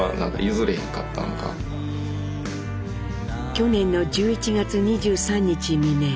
去年の１１月２３日未明。